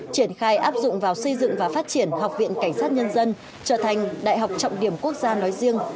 triển khai áp dụng vào xây dựng và phát triển học viện cảnh sát nhân dân trở thành đại học trọng điểm quốc gia nói riêng